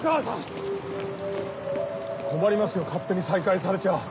困りますよ勝手に再開されちゃあ。